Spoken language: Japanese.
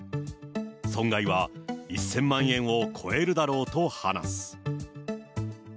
損害は１０００万円を超えるだろうと話す。